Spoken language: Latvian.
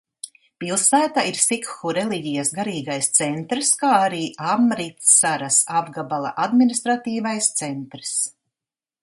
Pilsēta ir sikhu reliģijas garīgais centrs, kā arī Amritsaras apgabala administratīvais centrs.